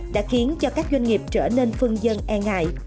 đã khiến cho các doanh nghiệp trở nên phương dân e ngại